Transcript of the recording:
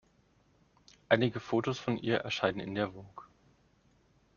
Einige Fotos von ihr erschienen in der Vogue.